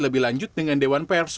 lebih lanjut dengan dewan pers